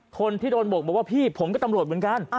คนที่โดนบกบอกว่าพี่ผมก็ตำรวจเหมือนกัน